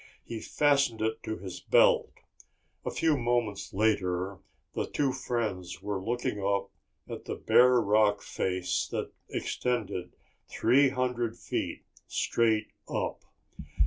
He fastened it to his belt. A few moments later the two friends were looking up at the bare rock face that extended three hundred feet straight up.